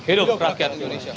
hidup rakyat indonesia